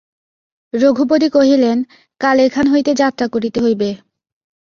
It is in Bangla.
রঘুপতি কহিলেন, কাল এখান হইতে যাত্রা করিতে হইবে।